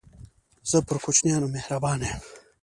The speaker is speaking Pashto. زه پر کوچنيانو مهربانه يم.